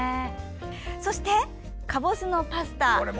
そして、かぼすのパスタ。